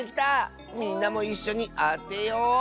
みんなもいっしょにあてよう！